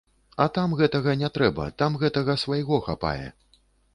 А там гэтага не трэба, там гэтага свайго хапае.